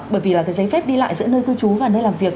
bởi vì là cái giấy phép đi lại giữa nơi cư trú và nơi làm việc